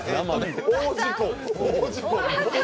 大事故。